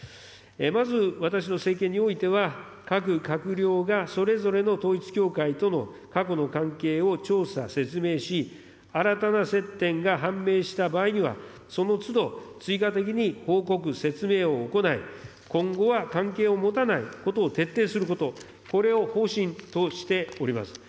まず、私の政権においては、各閣僚がそれぞれの統一教会との過去の関係を調査、説明し、新たな接点が判明した場合には、そのつど、追加的に報告、説明を行い、今後は関係を持たないことを徹底すること、これを方針としております。